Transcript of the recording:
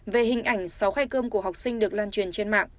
về hình ảnh sáu khay cơm của học sinh được lan truyền trên mạng